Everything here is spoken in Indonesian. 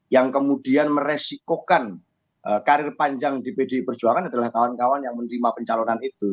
yang kemudian meresikokan karir panjang di pdi perjuangan adalah kawan kawan yang menerima pencalonan itu